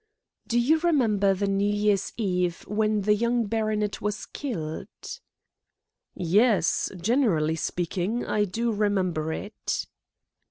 "Do you remember the New Year's Eve when the young baronet was killed?" "Yes, generally speaking, I do remember it."